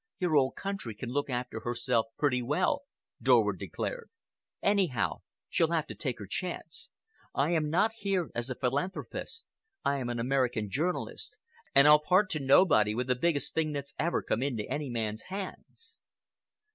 "Your old country can look after herself pretty well," Dorward declared. "Anyhow, she'll have to take her chance. I am not here as a philanthropist. I am an American journalist, and I'll part to nobody with the biggest thing that's ever come into any man's bands."